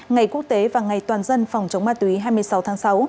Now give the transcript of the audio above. ngày quốc tế và ngày toàn dân phòng chống ma túy hai mươi sáu tháng sáu